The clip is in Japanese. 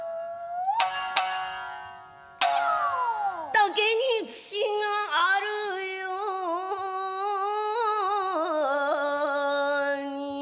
「竹に節がある様に」